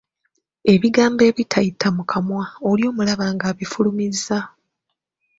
Ebigambo ebitayita mu kamwa, oli n'omulaba nga abifulumizza.